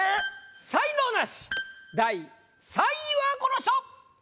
才能ナシ第３位はこの人！